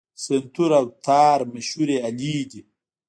سنتور او تار مشهورې الې دي.